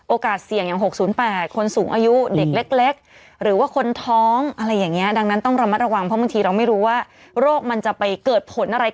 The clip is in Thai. โอกาสเสี่ยงอย่าง๖๘คนสูงอายุเด็กเล็ก